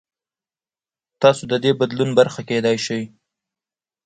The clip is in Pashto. تاسو د دې بدلون برخه کېدای شئ.